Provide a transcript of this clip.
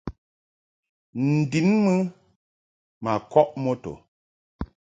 N-din mɨ ma kɔʼ moto.